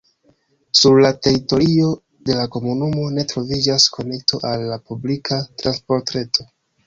Sur la teritorio de la komunumo ne troviĝas konekto al la publika transportreto.